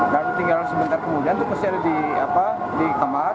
dan tinggal sebentar kemudian itu pasti ada di kamar